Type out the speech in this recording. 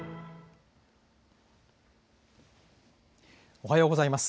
おはようございます。